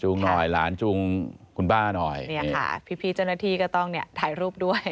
หน่อยหลานจูงคุณป้าหน่อยเนี่ยค่ะพี่พี่เจ้าหน้าที่ก็ต้องเนี่ยถ่ายรูปด้วย